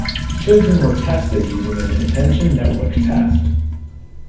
Children were tested using an Attention Network Test.